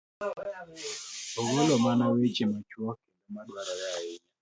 ogolo mana weche machuok kendo ma dwarore ahinya.